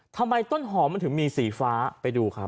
ต้นหอมมันถึงมีสีฟ้าไปดูครับ